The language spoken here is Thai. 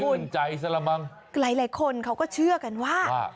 มั่นใจซะละมั้งหลายหลายคนเขาก็เชื่อกันว่าอ่า